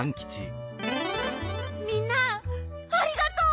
みんなありがとう！